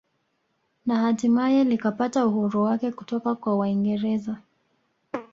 Na hatimaye likapata uhuru wake kutoka kwa waingereza